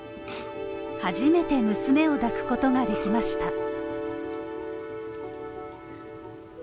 初めて娘を抱くことができました。